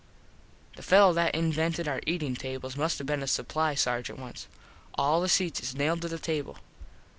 The fello that invented our eatin tables must have been a supply Sargent once. All the seats is nailed to the table.